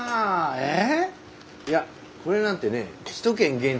えっ？